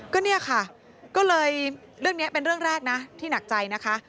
ก็เนี่ยค่ะก็เลยเรื่องนี้เป็นเรื่องแรกนะที่หนักใจนะคะ